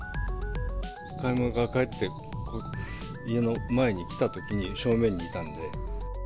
買い物から帰って、家の前に来たときに、正面にいたんで。